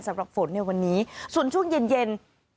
สำหรับฝนในวันนี้ส่วนช่วงเย็น